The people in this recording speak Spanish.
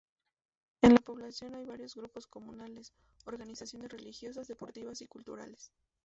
En la población hay varios grupos comunales: organizaciones religiosas, deportivas y culturales.